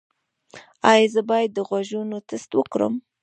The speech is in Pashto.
ایا زه باید د غوږونو ټسټ وکړم؟